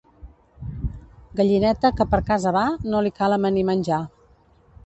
Gallineta que per casa va, no li cal amanir menjar.